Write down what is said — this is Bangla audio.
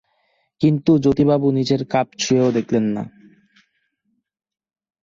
কিন্তু জ্যোতিবাবু নিজের কাপ ছুঁয়েও দেখলেন না।